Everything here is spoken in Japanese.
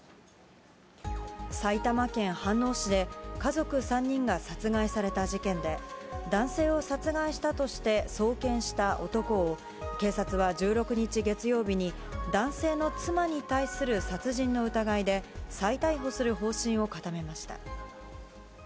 埼玉県飯能市で、家族３人が殺害された事件で、男性を殺害したとして送検した男を、警察は１６日月曜日に、男性の妻に対する殺人の疑いで、再逮捕する方針を固めました。